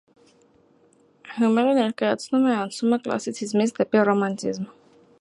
Յ. Ն. Հումելը ներկայացնում է անցումը կլասիցիզմից դեպի ռոմանտիզմ։